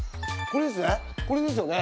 これですね？